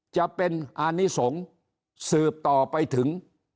จะเป็นอานิสงฆ์สืบต่อไปถึง